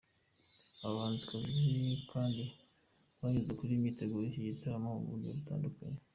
Aba bahanzikazi kandi bageze kure imyiteguro y’iki gitaramo mu buryo butandukanye.